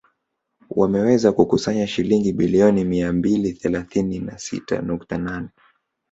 Wameweza kukusanya shilingi bilioni mia mbili thelathini na sita nukta nane